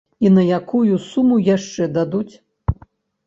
І на якую суму яшчэ дадуць?